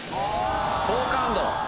「好感度」。